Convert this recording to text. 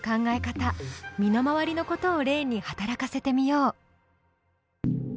身の回りのことを例に働かせてみよう。